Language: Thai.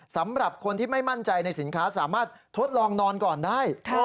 สำหรับคนที่ไม่มั่นใจในสินค้าสามารถทดลองนอนก่อนได้